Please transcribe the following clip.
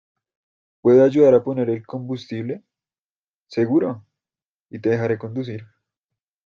¿ Puedo ayudar a poner el combustible? ¡ seguro! y te dejaré conducir.